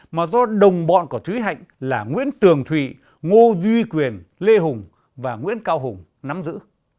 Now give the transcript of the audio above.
mà do đồng bọn của thúy hạnh là nguyễn tường thụy ngô duy quyền lê hùng và nguyễn cao hùng nắm giữ